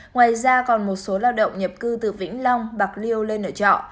ngoài ra còn một số lao động nhập cư từ vĩnh long bạc liêu lên ở trọ